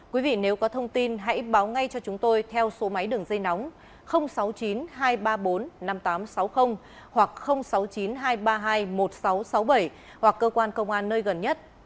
quý vị nếu có thông tin hãy báo ngay cho chúng tôi theo số máy đường dây nóng sáu mươi chín hai trăm ba mươi bốn năm nghìn tám trăm sáu mươi hoặc sáu mươi chín hai trăm ba mươi hai một nghìn sáu trăm sáu mươi bảy hoặc cơ quan công an nơi gần nhất